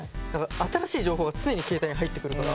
新しい情報が常に携帯に入ってくるから。